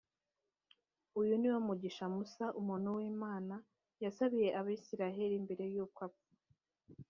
uyu ni wo mugisha musa, umuntu w’imana, yasabiye abayisraheli, mbere y’uko apfa.